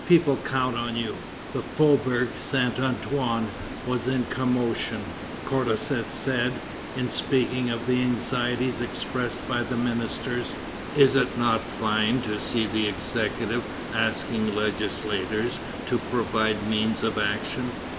People count on you." The Faubourg Saint Antoine was in commotion. Condorcet said, in speaking of the anxieties expressed by the ministers: "Is it not fine to see the Executive asking legislators to provide means of action!